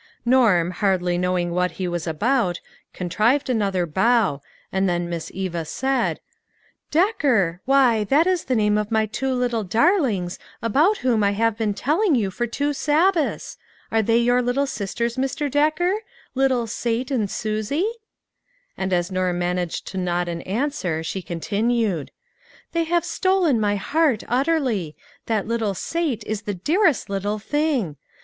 Norm, hardly knowing what he was about, contrived another bow, and then Miss Eva said, " Decker, why, that is the name of my two little darlings about whom I have been telling you for two Sabbaths. Are they your little sisters, Mr. Decker? Little Sate and Susie?" And as Norm managed to nod an answer, she continued :" They have stolen my heart utterly ; that little Sate is the dearest little thing.